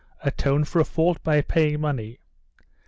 Atone for a fault by paying money?